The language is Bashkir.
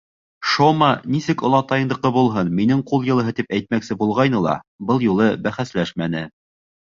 Шома, нисек олатайыңдыҡы булһын, минең ҡул йылыһы, тип әйтмәксе булғайны ла, был юлы бәхәсләшмәне.